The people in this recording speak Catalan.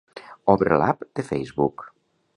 Obre l'app de Facebook.